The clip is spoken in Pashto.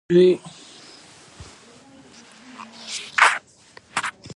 ښوونکی باید لارښود وي